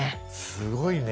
すごいね。